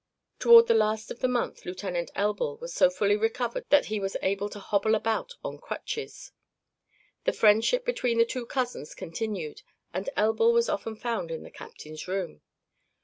Toward the last of the month Lieutenant Elbl was so fully recovered that he was able to hobble about on crutches. The friendship between the two cousins continued and Elbl was often found in the captain's room.